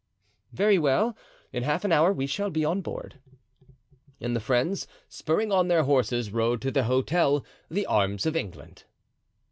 "Very well; in half an hour we shall be on board." And the friends, spurring on their horses, rode to the hotel, the "Arms of England."